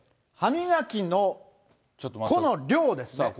歯磨き粉の量ですね。